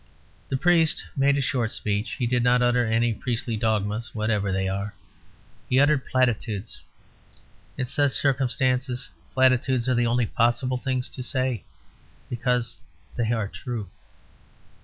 The priest made a short speech; he did not utter any priestly dogmas (whatever they are), he uttered platitudes. In such circumstances platitudes are the only possible things to say; because they are true.